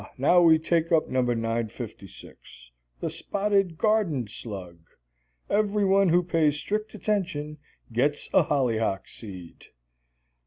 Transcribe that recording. now we take up No. 956, 'The Spotted Garden Slug.' Every one who pays strict attention gets a hollyhock seed."